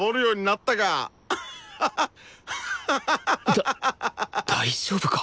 だ大丈夫か？